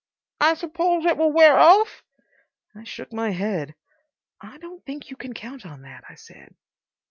"I suppose it will wear off?" I shook my head. "I don't think you can count on that," I said.